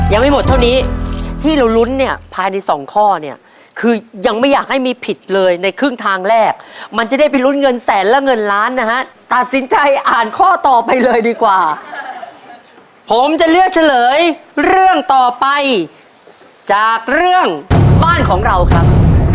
ยังไม่หมดเท่านี้ที่เราลุ้นเนี่ยภายในสองข้อเนี่ยคือยังไม่อยากให้มีผิดเลยในครึ่งทางแรกมันจะได้ไปลุ้นเงินแสนและเงินล้านนะฮะตัดสินใจอ่านข้อต่อไปเลยดีกว่าผมจะเลือกเฉลยเรื่องต่อไปจากเรื่องบ้านของเราครับ